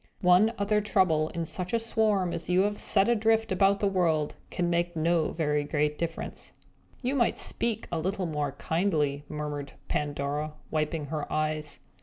One other Trouble, in such a swarm as you have set adrift about the world, can make no very great difference." "You might speak a little more kindly!" murmured Pandora, wiping her eyes.